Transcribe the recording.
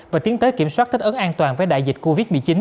và tiến tới kiểm soát thích ứng an toàn với đại dịch covid một mươi chín